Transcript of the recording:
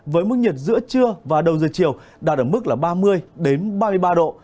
với mức nhiệt giữa trưa và đầu giờ chiều đạt ở mức là ba mươi ba mươi ba độ